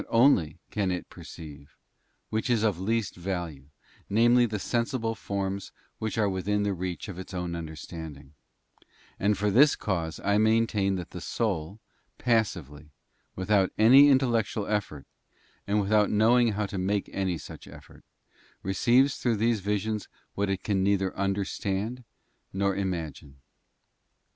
That only can it perceive, which is of least value, namely the sensible forms which are within the reach of its own understanding; and for this cause I maintain that the soul, passively, without any intellectual effort, and without knowing how to make any such effort, receives through these visions what it can neither understand nor imagine.